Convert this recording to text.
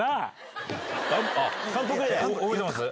覚えてます？